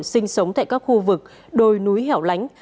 sinh sống tại các khu vực đồi núi hẻo lánh